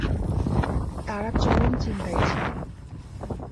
তারা চরম চিন্তায় ছিলেন।